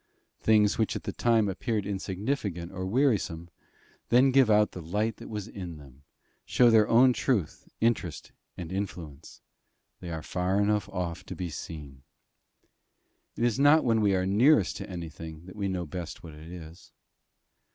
Things which at the time appeared insignificant or wearisome, then give out the light that was in them, show their own truth, interest, and influence: they are far enough off to be seen. It is not when we are nearest to anything that we know best what it is.